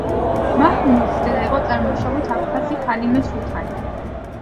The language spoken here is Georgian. მაჰმუდის დედა იყო წარმოშობით აფხაზი ჰალიმე სულთანი.